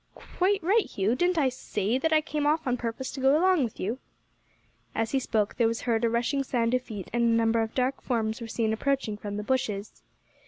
"Quite right, Hugh; didn't I say that I came off on purpose to go along with you?" As he spoke there was heard a rushing sound of feet and a number of dark forms were seen approaching from the bushes.